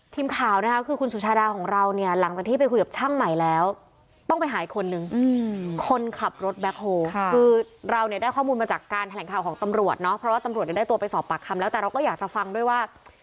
ทีมข่าวนะคะคือคุณสุชาดาของเราเนี่ยหลังจากที่ไปคุยกับช่างใหม่แล้วต้องไปหาอีกคนนึงคนขับรถแบ็คโฮคือเราเนี่ยได้ข้อมูลมาจากการแถลงข่าวของตำรวจเนาะเพราะว่าตำรวจได้ตัวไปสอบปากคำแล้วแต่เราก็อยากจะฟังด้วยว่า